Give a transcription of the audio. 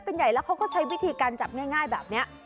ใหญ่แล้วเขาก็ใช้วิธีการจับง่ายแบบนี้